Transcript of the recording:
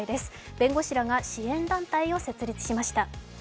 弁護士らが支援団体を設立しました。